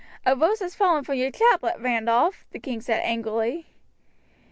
"A rose has fallen from your chaplet, Randolph," the king said angrily.